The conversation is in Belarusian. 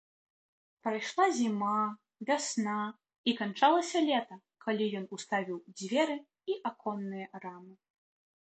Прайшла зіма, вясна, і канчалася лета, калі ён уставіў дзверы і аконныя рамы.